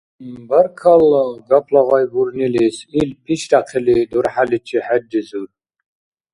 — Баркалла, гапла гъай бурнилис, — ил, пишряхъили, дурхӀяличи хӀерризур.